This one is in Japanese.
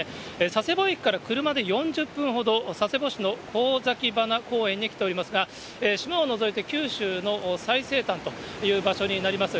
佐世保駅から車で４０分ほど、佐世保市の神崎鼻公園に来ておりますが、島を除いて九州の最西端という場所になります。